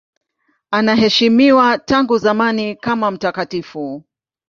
Anaheshimiwa tangu zamani kama mtakatifu.